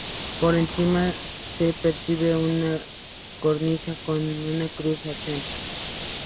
Por encima, se percibe una cornisa con una cruz al centro.